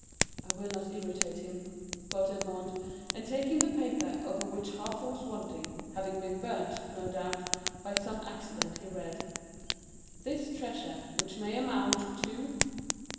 "I will not irritate him," thought Edmond, and taking the paper, of which half was wanting,—having been burnt, no doubt, by some accident,—he read: "this treasure, which may amount to two...